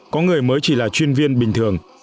có người mới chỉ là chuyên viên bình thường